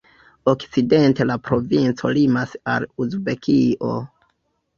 Okcidente la provinco limas al Uzbekio.